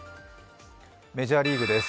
メジャーリーグです。